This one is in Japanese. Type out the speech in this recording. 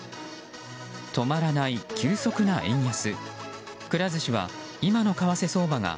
止まらない急速な円安。